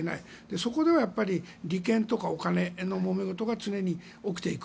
そこでは利権とか、お金のもめごとが常に起きていく。